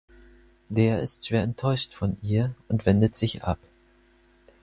Der ist schwer enttäuscht von ihr und wendet sich ab.